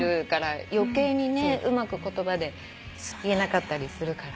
余計にねうまく言葉で言えなかったりするからね。